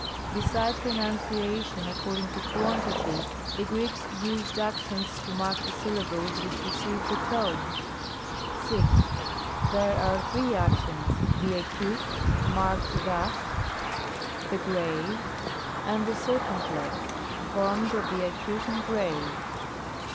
Besides pronunciation according to quantity, the Greeks used accents to mark the syllables which receive the tone. . 6. There are three accents ; the acute, marked thus ('), the grave ('), and the circumflex, formed of the acute and grave